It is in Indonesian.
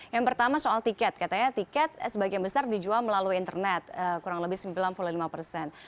yang pertama soal tiket katanya tiket sebagian besar dijual melalui internet kurang lebih sembilan puluh lima persen